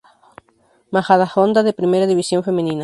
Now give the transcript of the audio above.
Majadahonda de Primera División femenina.